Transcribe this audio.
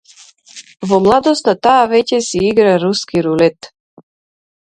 Во младоста, таа веќе си игра руски рулет.